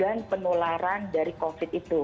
karena pemerintah denmark lebih menekankan proses testing